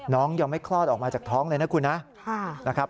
น้องยังไม่คลอดออกมาจากท้องเลยนะคุณนะนะครับ